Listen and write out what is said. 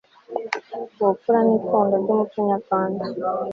ubupfura ni ipfundo ry'umuco nyarwanda